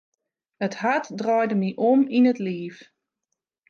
It hart draaide my om yn it liif.